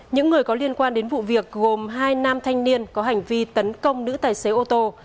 những người có liên quan đến vụ việc gồm hai nam thanh niên có hành vi tấn công nữ tài xế ô tô